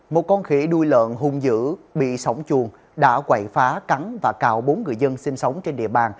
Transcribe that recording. một con khỉ đuôi lợn hung dữ bị sóng chuồng đã quẩy phá cắn và cào bốn người dân sinh sống trên địa bàn